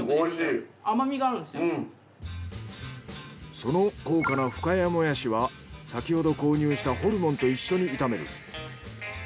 その高価な深谷もやしは先ほど購入したホルモンと一緒に炒める。